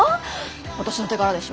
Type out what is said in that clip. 私の手柄でしょ。